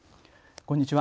こんにちは。